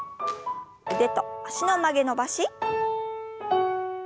腕と脚の曲げ伸ばし。